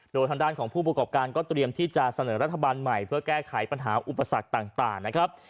โดยทางด้านของผู้ประกอบการก็เตรียมที่จะเสนอรัฐบาลใหม่เพื่อแก้ไขปัญหาอุปสรรคต่างนะครับ